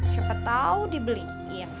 siapa tahu dibeliin